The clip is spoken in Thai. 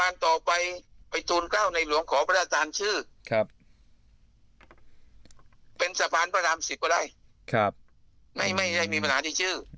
ไม่ไม่ไม่ไม่ไม่มีปัญหาที่ชื่อ